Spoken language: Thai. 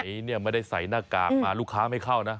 วันไหนไม่ได้ใส่หน้ากากมาลูกค้าไม่เข้านะ